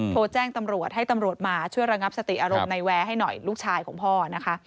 โทรแจ้งตำรวจให้ตำรวจมาช่วยระงับสติอารมณ์ในแวร์ให้หน่อยลูกชายของพ่อนะคะ